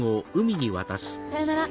さよなら。